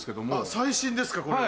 最新ですかこれが。